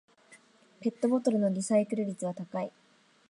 ペットボトルのリサイクル率は高い